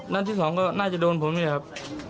นัดที่สองก็น่าจะโดนผมนี่แหละครับ